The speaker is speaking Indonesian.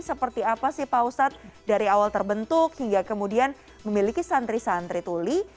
seperti apa sih pak ustadz dari awal terbentuk hingga kemudian memiliki santri santri tuli